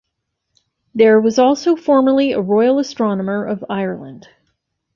There was also formerly a Royal Astronomer of Ireland.